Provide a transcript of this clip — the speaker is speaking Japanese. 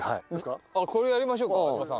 これやりましょうか東さん